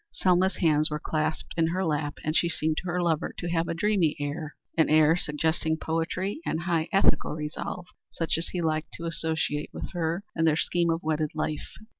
Selma's hands were clasped in her lap, and she seemed to her lover to have a dreamy air an air suggesting poetry and high ethical resolve such as he liked to associate with her and their scheme of wedded life.